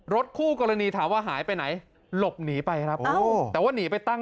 คู่กรณีถามว่าหายไปไหนหลบหนีไปครับแต่ว่าหนีไปตั้ง